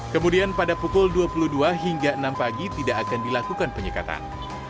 kemudian pada pukul dua puluh dua hingga enam pagi tidak akan dilakukan penyekatan